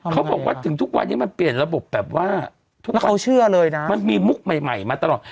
เขาบอกว่าถึงทุกวันนี้มันเปลี่ยนระบบแบบว่ามันมีมุกใหม่มาตลอด